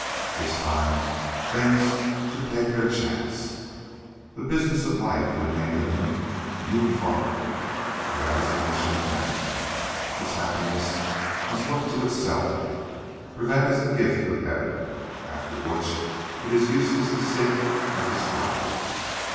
This time things should take their chance. The business of life remained to him, and he would follow it, for that is the mission of man. Its happiness must look to itself, for that is the gift of Heaven, after which it is useless to seek and to strive.